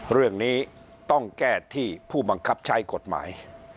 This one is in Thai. เรื่องนี้ต้องแก้ที่ผู้บังคับใช้กฎหมาย